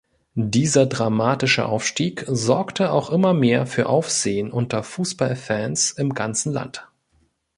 Dieser dramatische Aufstieg sorgte auch immer mehr für Aufsehen unter Fußballfans im ganzen Land.